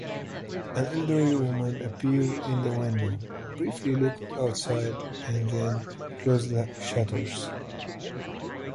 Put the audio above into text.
An elderly woman appeared in the window, briefly looked outside and then closed the shutters.